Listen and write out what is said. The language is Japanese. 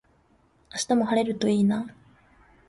明日も晴れるといいな